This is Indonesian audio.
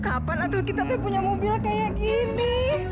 kapan atau kita tuh punya mobil kayak gini